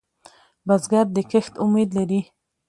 بزګر د کښت امید لري